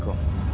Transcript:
kita sudah telat